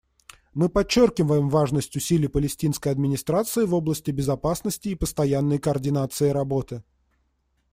Мы подчеркиваем важность усилий Палестинской администрации в области безопасности и постоянной координации работы.